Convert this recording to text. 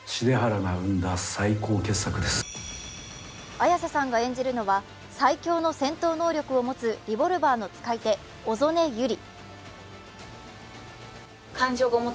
綾瀬さんが演じるのは最強の戦闘能力を持つリボルバーの使い手・小曾根百合。